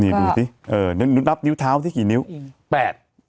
นี่ดูสิเออนี่นุ้นนับนิ้วเท้าที่กี่นิ้วแปด